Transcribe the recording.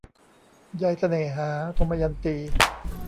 ใยเสน่หา - ทมยันตี